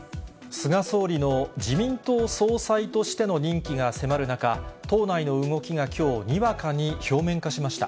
菅総理の自民党総裁としての任期が迫る中、党内の動きがきょう、にわかに表面化しました。